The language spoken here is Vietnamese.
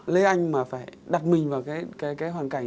lê anh mà phải đặt mình vào cái hoàn cảnh